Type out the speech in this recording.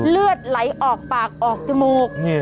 เลือดไหลออกปากออกจมูก